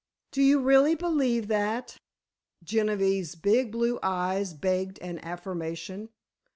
"Do you really believe that?" Genevieve's big blue eyes begged an affirmation.